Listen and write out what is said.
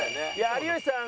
有吉さん